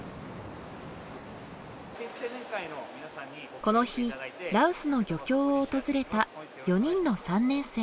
この日羅臼の漁協を訪れた４人の３年生。